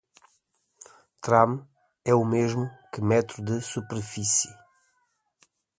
"Tram" é o mesmo que metro de superfície.